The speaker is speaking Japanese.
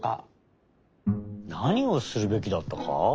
なにをするべきだったか？